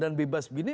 dan bebas begini